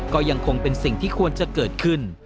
ก็ยังคงเป็นสิ่งที่ควรจะเกิดขึ้น